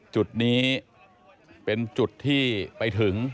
จุดนี้เป็นจุดที่ไปถึง